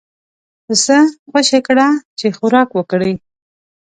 پسه خوشی کړه چې خوراک وکړي.